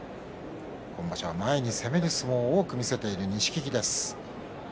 今場所は前に攻める相撲を多く見せている錦木です。